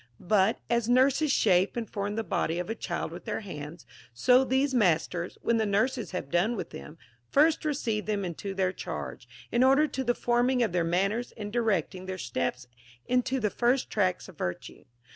But, as nurses shape and form the body of a child with their hands, so these masters, when the nurses have done with them, first receive them into their charge, in order to the forming of their manners and directing their steps into the first tracks of virtue.